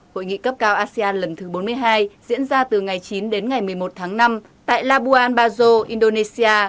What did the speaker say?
hội nghị cấp cao asean lần thứ bốn mươi hai diễn ra từ ngày chín đến ngày một mươi một tháng năm tại labuan bajo indonesia